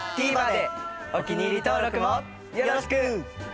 お気に入り登録もよろしく！